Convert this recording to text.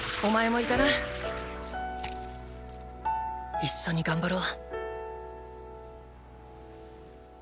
一緒に頑張ろう。